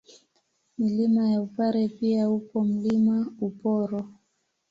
Milima ya Upare pia upo Mlima Uporo